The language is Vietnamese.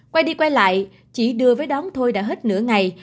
quay đi quay lại chỉ đưa với đón thôi đã hết nửa ngày